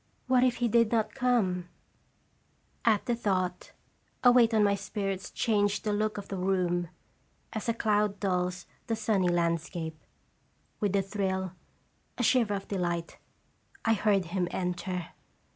What if he did not come ? At the thought, a weight on my spirits changed the look of the room, as a cloud dulls the sunny landscape. With a thrill, a shiver of delight, I heard him enter.